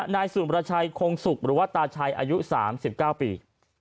๓นายสุมรชัยคงศุกร์อายุ๓๙ปี